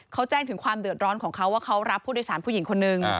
เขาแจ้งถึงความเดือดร้อนของเขาว่าเขารับผู้โดยสารผู้หญิงคนนึง